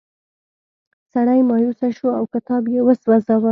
سړی مایوسه شو او کتاب یې وسوځاوه.